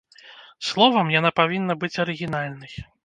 Словам, яна павінна быць арыгінальнай.